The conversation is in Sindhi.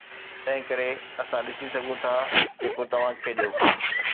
تنهنڪري اسان ڏسي سگهون ٿا جيڪو توهان کيڏيو